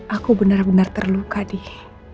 aku bener bener terluka dee